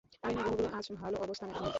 আরে না, গ্রহগুলোও আজ ভালো অবস্থানে নেই।